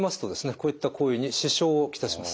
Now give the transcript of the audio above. こういった行為に支障を来します。